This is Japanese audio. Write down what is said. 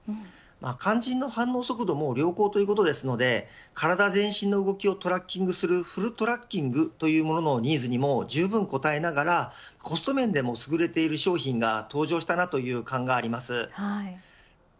肝心の反応速度も良好ということですので体全身の動きをトラッキングするフルトラッキングというニーズにもじゅうぶん応えながらコスト面でも優れている商品が登場したなという感があります。